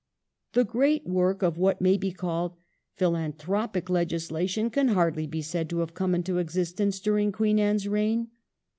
The great work of what may be called philan thropic legislation can hardly be said to have come into existence during Queen Anne's reign.